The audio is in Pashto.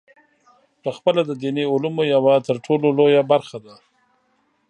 پخپله د دیني علومو یوه ترټولو لویه برخه ده.